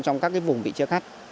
trong các vùng bị chia cắt